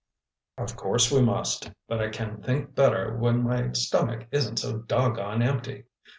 "Of course we must. But I can think better when my stomach isn't so doggone empty.